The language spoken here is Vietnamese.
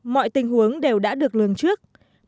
mọi tình huống đều đã được lường trước